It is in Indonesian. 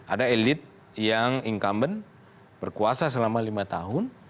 ada elit yang incumbent berkuasa selama lima tahun